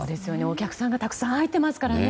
お客さんがたくさん入っていますからね。